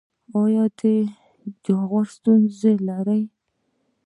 ایا د جاغور ستونزه لرئ؟